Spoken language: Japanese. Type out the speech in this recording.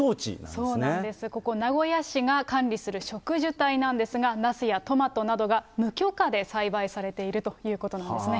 そうなんです、ここ、名古屋市が管理する植樹帯なんですが、ナスやトマトなどが無許可で栽培されているということなんですね。